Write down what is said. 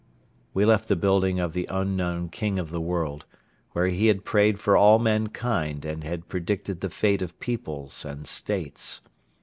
We left the building of this unknown King of the World, where he had prayed for all mankind and had predicted the fate of peoples and states.